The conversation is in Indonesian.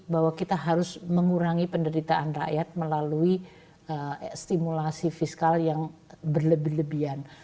bahwa kita harus mengurangi penderitaan rakyat melalui stimulasi fiskal yang berlebihan